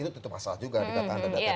itu tutup masalah juga dikata anda data desa